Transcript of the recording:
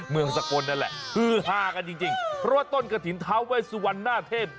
เมืองสกลนนั่นแหละฮือฮากันจริงรวดต้นกะถิ่นท้าเวสวันน่าเทพ